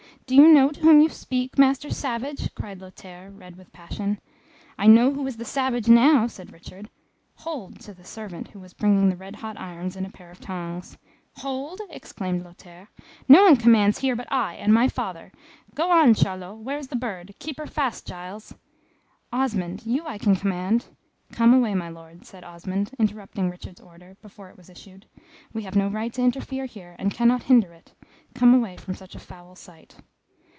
Do you know to whom you speak, master savage?" cried Lothaire, red with passion. "I know who is the savage now!" said Richard. "Hold!" to the servant who was bringing the red hot irons in a pair of tongs. "Hold?" exclaimed Lothaire. "No one commands here but I and my father. Go on Charlot where is the bird? Keep her fast, Giles." "Osmond. You I can command " "Come away, my Lord," said Osmond, interrupting Richard's order, before it was issued. "We have no right to interfere here, and cannot hinder it. Come away from such a foul sight."